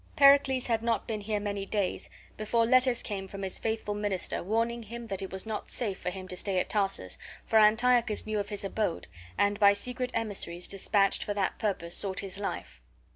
Pericles had not been here many days before letters came from his faithful minister, warning him that it was not safe for him to stay at Tarsus, for Antiochus knew of his abode, and by secret emissaries despatched for that purpose sought his life.